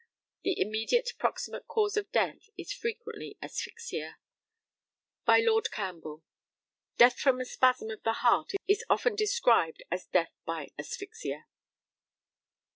The immediate proximate cause of death is frequently asphyxia. By Lord CAMPBELL: Death from a spasm of the heart is often described as death by asphyxia.